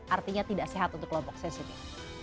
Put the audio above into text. artinya tidak sehat untuk kelompok sensitif